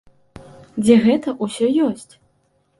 Дзе гэта ўсё ёсць?